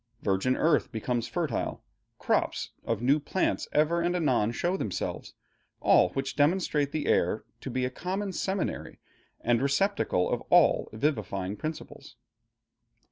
Virgin earth becomes fertile, crops of new plants ever and anon show themselves, all which demonstrate the air to be a common seminary and receptacle of all vivifying principles....